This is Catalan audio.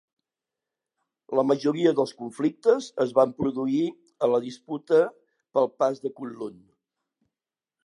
La majoria dels conflictes es van produir a la disputa pel pas de Kunlun.